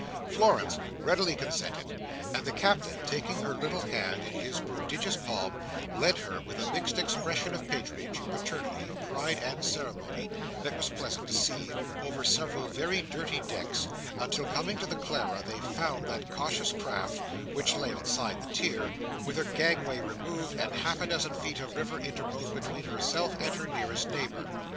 Florence readily consented; and the Captain, taking her little hand in his prodigious palm, led her, with a mixed expression of patronage, paternity, pride, and ceremony, that was pleasant to see, over several very dirty decks, until, coming to the Clara, they found that cautious craft (which lay outside the tier) with her gangway removed, and half a dozen feet of river interposed between herself and her nearest neighbour.